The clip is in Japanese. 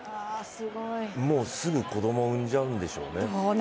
もうすぐ子供産んじゃうんでしょうね。